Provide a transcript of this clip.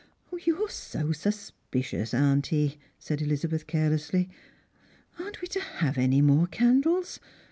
" You're so suspicious, auntie," said Elizabeth carelessly. " Aren't we to have any more candles